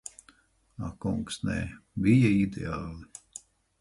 Ak kungs, nē. Bija ideāli.